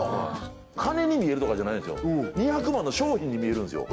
金に見えるとかじゃないんですよ２００万の商品に見えるんですよ